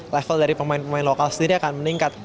level dari pemain pemain lokal sendiri akan meningkat